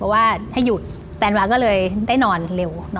ว่าให้หยุดแฟนวาก็เลยได้นอนเร็ว